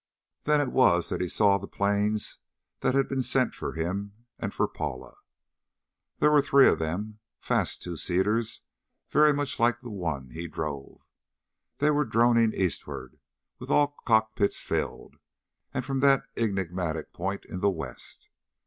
Then it was that he saw the planes that had been sent for him and for Paula. There were three of them, fast two seaters very much like the one he drove. They were droning eastward, with all cockpits filled, from that enigmatic point in the west.